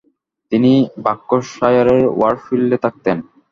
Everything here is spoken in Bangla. তিনি বার্কশায়ারের ওয়ারফিল্ডে থাকতেন।